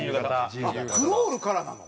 あっクロールからなの？